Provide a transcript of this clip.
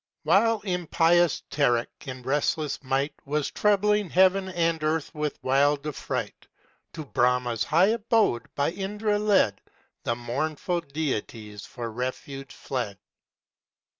_ While impious TÁRAK in resistless might Was troubling heaven and earth with wild affright, To BRAHMÁ'S high abode, by INDRA led, The mournful deities for refuge fled.